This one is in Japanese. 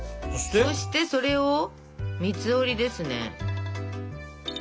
そしてそれを三つ折りですね。